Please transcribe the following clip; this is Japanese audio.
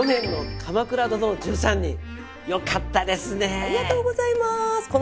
ありがとうございます。